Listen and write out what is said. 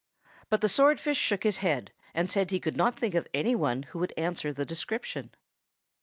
But the swordfish shook his head, and said he could not think of any one who would answer the description.